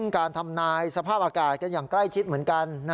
การทำนายสภาพอากาศกันอย่างใกล้ชิดเหมือนกัน